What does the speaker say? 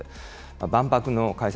万博の開催